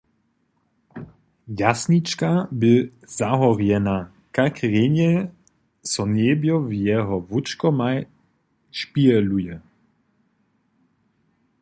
Jasnička bě zahorjena, kak rjenje so njebjo w jeho wóčkomaj špiheluje!